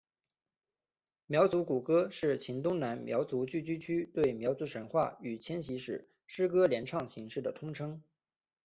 苗族古歌是黔东南苗族聚居区对苗族神话与迁徙史诗歌联唱形式的通称。